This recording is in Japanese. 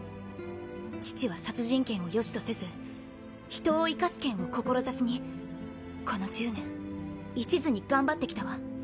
父は殺人剣をよしとせず人を生かす剣を志にこの１０年いちずに頑張ってきたわ。